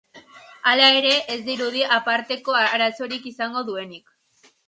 Hala ere, ez dirudi aparteko arazorik izango duenik.